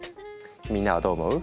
みんなはどう思う？